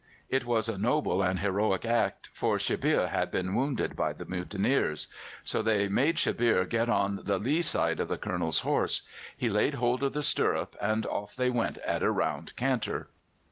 It was a noble and heroic act, for Shebbeare had been wounded by the mutineers. So they made Shebbeare get on the lee side of the Colonel's horse; he laid hold of the stirrup, and off they went at a round canter.